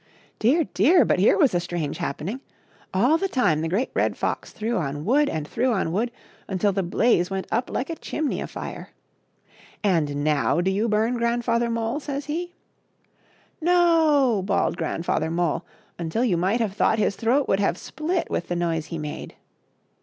Dear, dear, but here was a strange happening; all the same, the Great Red Fox threw on wood and threw on wood, until the blaze went up like a chimney afire. "And now do you bum. Grandfather Mole?" says he. " NO !!!" bawled Grandfather Mole until you might have thought his throat would have split with the noise he made.